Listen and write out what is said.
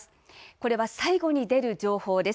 これは最後に出る情報です。